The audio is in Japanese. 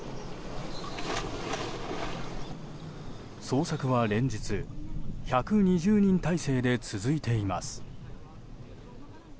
捜索は連日１２０人態勢で続いています。